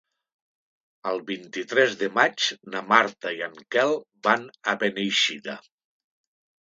El vint-i-tres de maig na Marta i en Quel van a Beneixida.